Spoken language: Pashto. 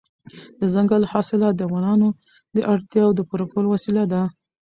دځنګل حاصلات د افغانانو د اړتیاوو د پوره کولو وسیله ده.